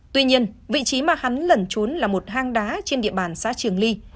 tuy nhiên vị trí mà hắn lẩn trốn là một hang đá trên địa bàn xã trường ly